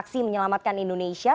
aksi menyelamatkan indonesia